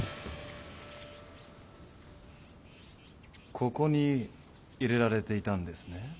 ここに入れられていたんですね？